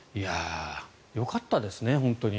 よかったですね、本当に。